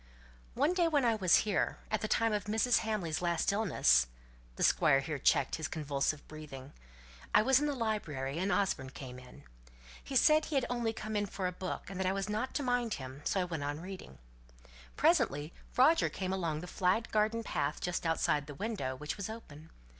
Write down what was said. "One day when I was here, at the time of Mrs. Hamley's last illness" (the Squire here checked his convulsive breathing), "I was in the library, and Osborne came in. He said he had only come in for a book, and that I was not to mind him, so I went on reading. Presently, Roger came along the flagged garden path just outside the window (which was open).